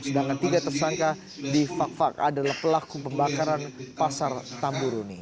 sedangkan tiga tersangka di fak fak adalah pelaku pembakaran pasar tamburuni